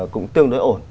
cũng tương đối ổn